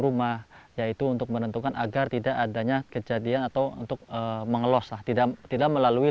rumah yaitu untuk menentukan agar tidak adanya kejadian atau untuk mengelos lah tidak tidak melalui